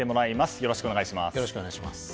よろしくお願いします。